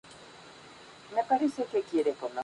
Es el segundo domingo de septiembre siendo la fiesta mayor.